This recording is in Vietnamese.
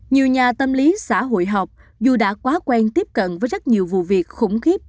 nhiều nhà tâm lý xã hội học dù đã quá quen tiếp cận với rất nhiều vụ việc khủng khiếp